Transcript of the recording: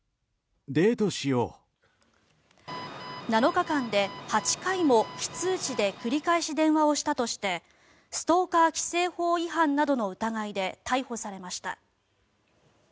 ７日間で８回も非通知で繰り返し電話をしたとしてストーカー規制法違反などの疑いで逮捕されました。